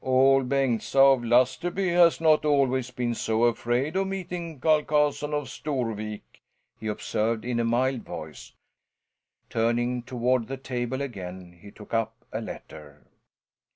"Ol' Bengtsa of Lusterby has not always been so afraid of meeting Carl Carlson of Storvik," he observed in a mild voice. Turning toward the table again, he took up a letter.